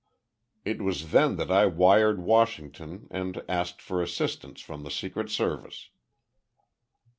It was then that I wired Washington and asked for assistance from the Secret Service."